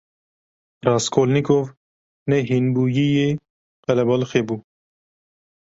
Raskolnîkov ne hînbûyiyê qelebalixê bû.